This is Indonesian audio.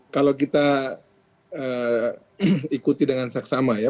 kalau kita ikuti dengan saksama ya